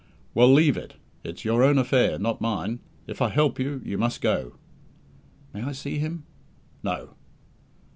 "Well, leave it. It's your own affair, not mine. If I help you, you must go." "May I see him?" "No."